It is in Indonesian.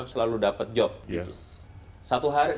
selalu dapat pekerjaan